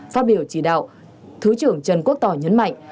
phát biểu chỉ đạo thứ trưởng trần quốc tỏ nhấn mạnh